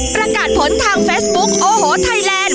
ประกาศผลทางเฟซบุ๊คโอ้โหไทยแลนด